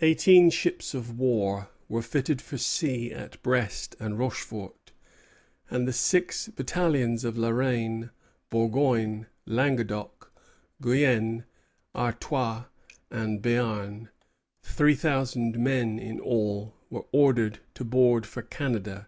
Eighteen ships of war were fitted for sea at Brest and Rochefort, and the six battalions of La Reine, Bourgogne, Languedoc, Guienne, Artois, and Béarn, three thousand men in all, were ordered on board for Canada.